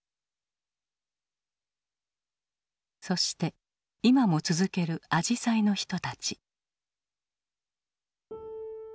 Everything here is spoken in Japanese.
そして今も続ける「あじさい」の人たち。